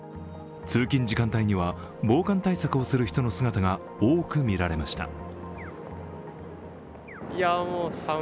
通勤時間帯には防寒対策をする人の姿が多く見られました。